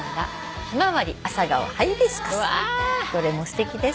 どれもすてきです。